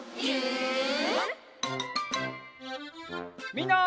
みんな。